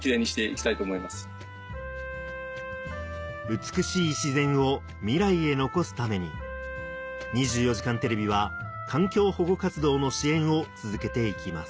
美しい自然を未来へ残すために『２４時間テレビ』は環境保護活動の支援を続けていきます